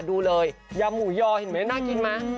ดูเลยยำหมูยอเห็นไหมน่ากินไหม